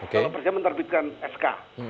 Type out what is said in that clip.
kalau presiden menerbitkan sk